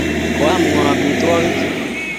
Koam ng'o amitwogikchu?